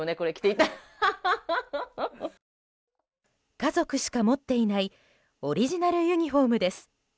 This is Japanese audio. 家族しか持っていないオリジナルユニホームです。